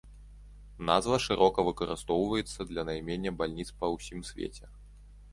Назва шырока выкарыстоўваецца для наймення бальніц па ўсім свеце.